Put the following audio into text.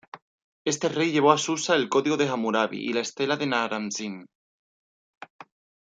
Este rey llevó a Susa el código de Hammurabi y la estela de Naram-Sin.